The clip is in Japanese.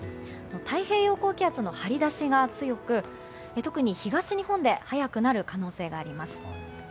太平洋高気圧の張り出しが強く特に、東日本で早くなる可能性があります。